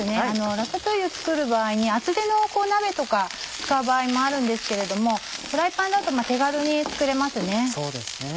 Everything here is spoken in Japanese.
ラタトゥイユ作る場合に厚手の鍋とか使う場合もあるんですけれどもフライパンだと手軽に作れますね。